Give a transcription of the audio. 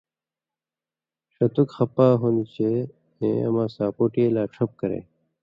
ݜتک خپا ہُوندیۡ چے ایں ساپُوٹی لا اما چھپ کرے